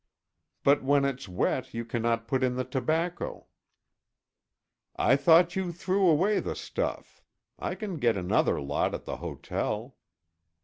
"But when it's wet you cannot put in the tobacco." "I thought you threw away the stuff. I can get another lot at the hotel."